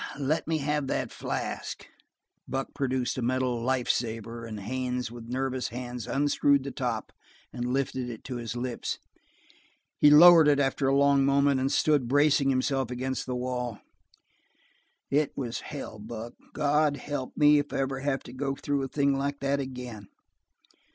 "Let me have that flask." Buck produced a metal "life saver," and Haines with nervous hands unscrewed the top and lifted it to his lips. He lowered it after a long moment and stood bracing himself against the wall. "It was hell, Buck. God help me if I ever have to go through a thing like that again."